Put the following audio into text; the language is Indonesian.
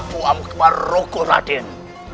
yang saya lakukan raden